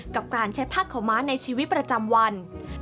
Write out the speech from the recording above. กับการใช้ผ้าขาวม้าในชีวิตประจำวัน